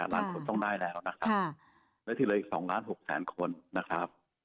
ล้านคนต้องได้แล้วนะครับและที่เหลืออีก๒ล้าน๖แสนคนนะครับ